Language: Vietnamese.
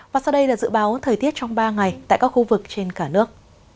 và sau đây là dự báo thời tiết trong ba ngày tại các khu vực trên cả nước